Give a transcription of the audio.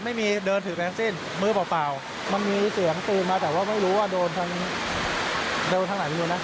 มันไม่มันไม่ได้อยู่แล้วเพราะว่ามัน